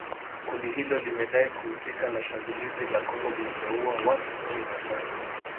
Kundi hilo limedai kuhusika na shambulizi la Kongo lililouwa watu kumi na tano